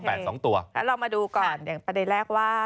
แล้วเรามาดูก่อนอย่างประเด็นแรกว่า